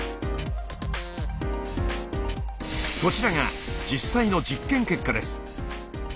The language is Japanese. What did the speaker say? こちらが実際の実験結果です。